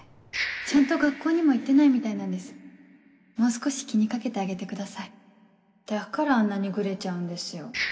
ちゃんと学校にも行ってないみたいなんでもう少し気に掛けてあげてくださいだからあんなにグレちゃうんですよ